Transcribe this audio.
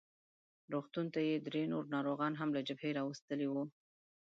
روغتون ته یې درې نور ناروغان هم له جبهې راوستلي وو.